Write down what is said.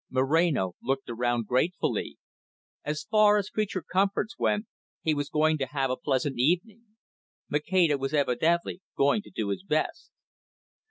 Moreno looked around gratefully. As far as creature comforts went, he was going to have a pleasant evening. Maceda was evidently going to do his best.